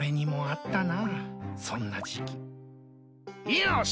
よし！